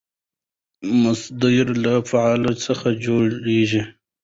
مصدر له فعل څخه جوړېږي.